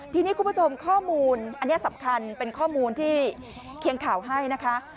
ทีนี้คุณผู้ชมข้อมูลอันนี้สำคัญเป็นข้อมูลที่เคียงข่าวให้นะคะ